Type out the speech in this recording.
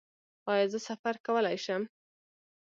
ایا زه سفر کولی شم؟